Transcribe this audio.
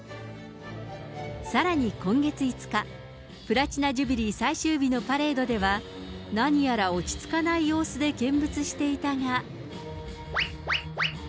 さらに今月５日、プラチナ・ジュビリー最終日のパレードでは、何やら落ち着かない様子で見物していたが。